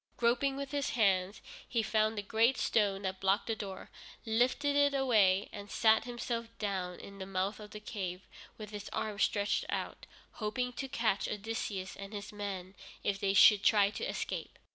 Groping with his hands, he found the great stone that blocked the door, lifted it away, and sat himself down in the mouth of the cave, with his arms stretched out, hoping to catch Odysseus and his men if they should try to escape.